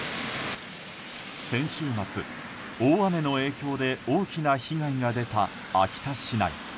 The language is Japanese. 先週末、大雨の影響で大きな被害が出た秋田市内。